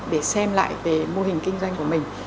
để xem lại về mô hình kinh doanh của mình